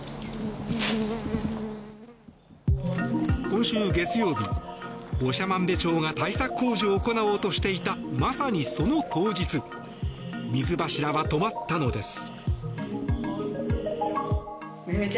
今週月曜日、長万部町が対策工事を行おうとしていたまさにその当日水柱は止まったのです。